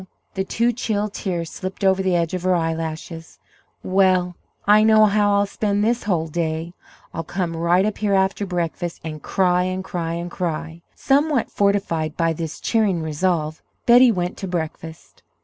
The two chill tears slipped over the edge of her eyelashes. "Well, I know how I'll spend this whole day; I'll come right up here after breakfast and cry and cry and cry!" Somewhat fortified by this cheering resolve, Betty went to breakfast.